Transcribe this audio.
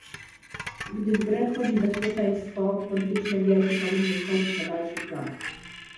Gdy w grę wchodzi bezpieczeństwo, polityczne gierki powinny schodzić na dalszy plan